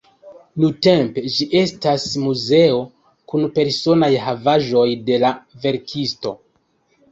Nuntempe ĝi estas muzeo kun personaj havaĵoj de la verkisto.